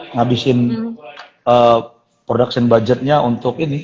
ngabisin production budgetnya untuk ini